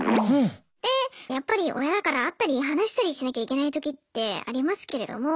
でやっぱり親だから会ったり話したりしなきゃいけないときってありますけれども。